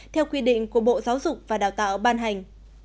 theo quy định của bộ giáo dục và đào tạo ban hành